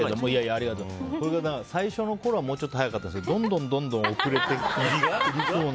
最初のころはもうちょっと早かったですけどどんどん遅れてきて。